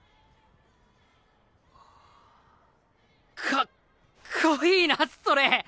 かっこいいなそれ。